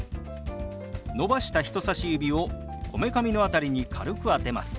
伸ばした人さし指をこめかみの辺りに軽く当てます。